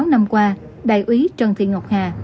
sáu năm qua đại úy trần thị ngọc hà